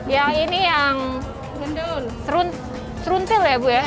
yang ini yang seruntil ya bu ya